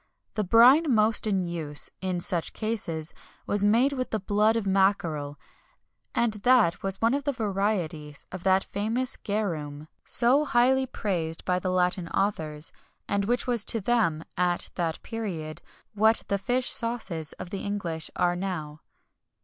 The brine most in use, in such cases, was made with the blood of mackerel, and that was one of the varieties of that famous garum so highly praised by the Latin authors, and which was to them, at that period, what the fish sauces of the English are now.